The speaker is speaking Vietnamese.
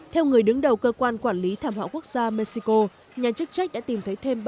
theo người đứng đầu cơ quan quản lý thảm họa quốc gia mexico nhà chức trách đã tìm thấy thêm